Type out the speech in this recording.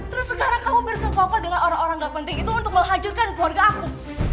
terus sekarang kamu bersepakat dengan orang orang gak penting itu untuk menghajutkan keluarga aku